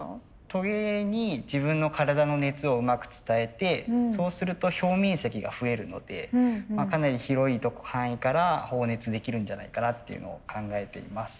トゲに自分の体の熱をうまく伝えてそうすると表面積が増えるのでかなり広い範囲から放熱できるんじゃないかなっていうのを考えています。